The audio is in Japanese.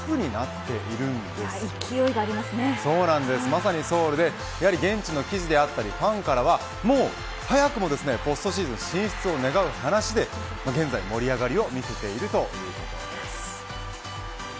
まさにそうで現地の記事だったりファンからは早くもポストシーズン進出を願う話で現在、盛り上がりを見せているということです。